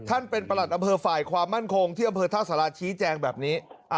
ประหลัดอำเภอฝ่ายความมั่นคงที่อำเภอท่าสาราชี้แจงแบบนี้